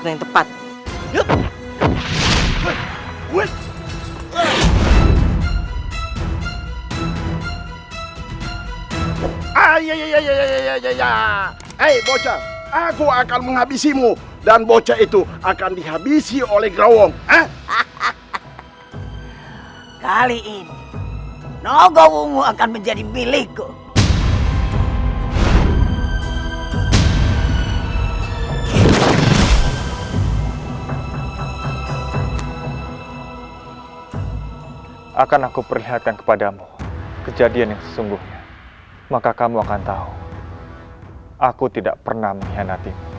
yang kau manfaatkan